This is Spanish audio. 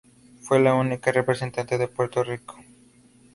Fue la única representante de Puerto Rico.